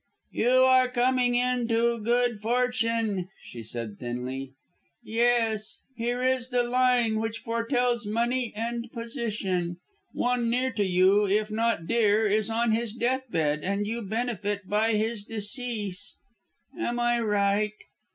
"You are coming into good fortune," she said thinly. "Yes. Here is the line which foretells money and position. One near to you, if not dear, is on his death bed and you benefit by his decease. Am I right?"